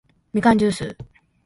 みかんじゅーす